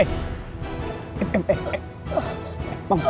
dia mau ke sana